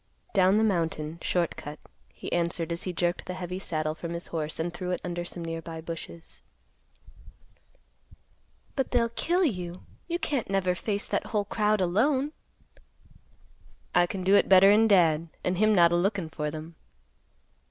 "Down the mountain; short cut;" he answered as he jerked the heavy saddle from his horse and threw it under some nearby bushes. "But they'll kill you. You can't never face that whole crowd alone." "I can do it better'n Dad, and him not a lookin' for them."